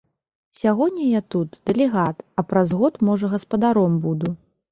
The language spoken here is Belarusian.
Сягоння я тут, дэлегат, а праз год можа гаспадаром буду.